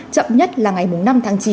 chậm nhất là ngày năm tháng chín